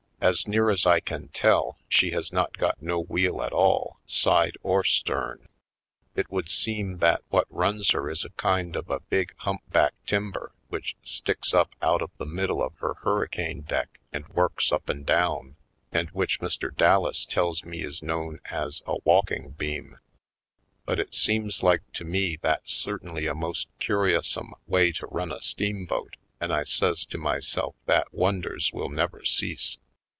As near as I can tell, she has not got no wheel at all, side or stern . It would seem that what runs her is a kind of a big hump back timber which sticks up out of the middle of her hurricane deck and works up and down, and which Mr. Dallas tells me is know^n as a walking beam. But it seems like to me that's certainly a most curi ousome way to run a steamboat and I says to myself that wonders will never cease!